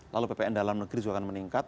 lalu ppn dalam negeri juga akan meningkat